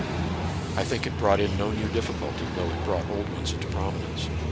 89 I think it brought in no new difficulty, though it brought old ones into prominence.